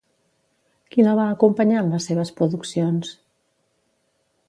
Qui la va acompanyar en les seves produccions?